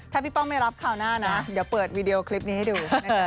ถ้าพี่ป้องไม่รับคราวหน้านะเดี๋ยวเปิดวีดีโอคลิปนี้ให้ดูนะคะ